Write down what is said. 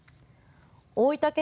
大分県